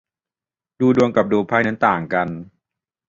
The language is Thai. ดูดวงกับดูไพ่นั้นแตกต่างกัน